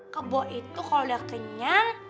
kebo itu kalau udah kenyal